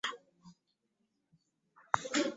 Bagenze mu lusirika lw'amyezi esatu